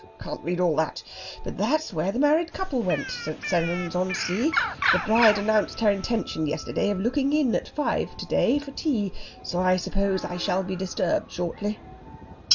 H'm h'm h'm! can't read all that. But that's where the married couple went St. Sennans on Sea. The bride announced her intention yesterday of looking in at five to day for tea. So I suppose I shall be disturbed shortly."